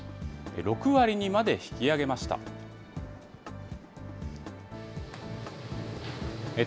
６割にまで引き上げました。